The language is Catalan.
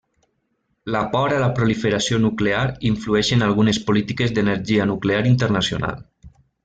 La por a la proliferació nuclear influeix en algunes polítiques d'energia nuclear internacional.